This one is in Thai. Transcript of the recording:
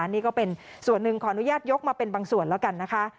นี่ก็เป็นส่วนหนึ่งขออนุญาตยกมาเป็นบางส่วนแล้วกันนะคะ